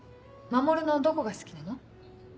守のどこが好きなの？